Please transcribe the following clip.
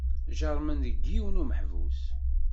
Jerrmen deg yiwen umeḥbus.